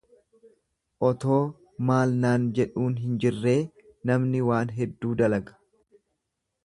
Otoo maal naan jedhuun hin jirree namni waan hedduu dalaga.